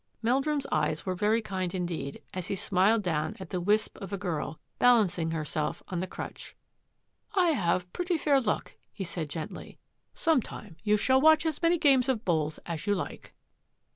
Meldrum's eyes were very kind indeed as he smiled down at the wisp of a girl, balancing herself on the crutch. " I have pretty fair luck," he said gently. " Sometime you shall watch as many games of bowls as you like."